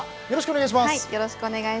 よろしくお願いします。